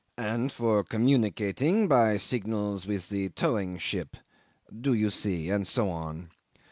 "and for communicating by signals with the towing ship do you see? and so on.